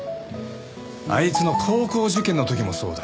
あいつの高校受験の時もそうだ。